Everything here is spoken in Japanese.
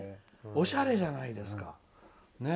おしゃれじゃないですか。